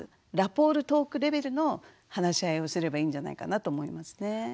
ラポールトークレベルの話し合いをすればいいんじゃないかなと思いますね。